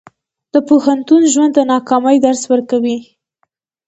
د پوهنتون ژوند د ناکامۍ درس ورکوي.